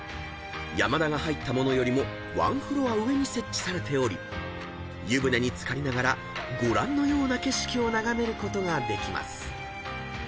［山田が入った物よりもワンフロア上に設置されており湯船に漬かりながらご覧のような景色を眺めることができます］